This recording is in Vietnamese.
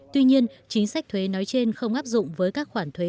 tuy nhiên chính sách thuế nói trên không áp dụng với các khoản thuế